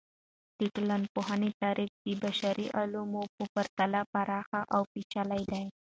د ټولنپوهنې تعریف د بشري علومو په پرتله پراخه او پیچلي دی.